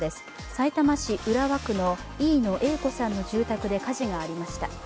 さいたま市浦和区の飯野兌子さんの住宅で火事がありました。